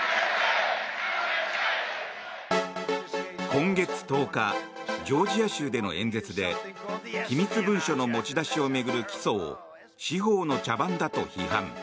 今月１０日ジョージア州での演説で機密文書の持ち出しを巡る起訴を司法の茶番だと批判。